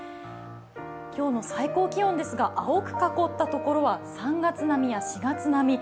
今日の最高気温ですが、青く囲ったところは３月並みや４月並み。